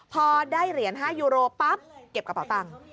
พอได้เหรียญ๕ยูโรปั๊บเก็บกระเป๋าตังค์